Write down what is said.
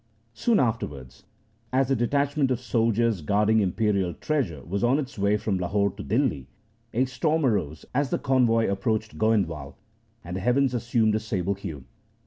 Soon afterwards, as a detachment of soldiers guarding imperial treasure was on its way from Lahore to Dihli, a storm arose as the convoy approached Goindwal, and the heavens assumed a sable hue.